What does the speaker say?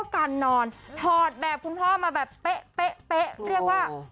การนอนถอดแบบคุณพ่อมาแบบเป๊ะเรียกว่า